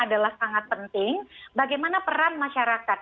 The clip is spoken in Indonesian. saya kira adalah sangat penting bagaimana peran masyarakat